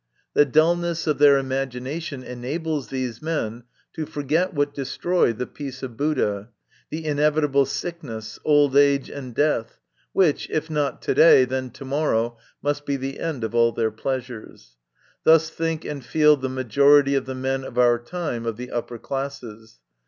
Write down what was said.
MY CONFESSION. by The dulness of their imagination enables these men to forget what destroyed the peace of Buddha, the inevitable sickness, old age, and death, which, if not to day, then to morrow, must be the end of all their pleasures. Thus think and feel the majority of the men of our time of the upper classes.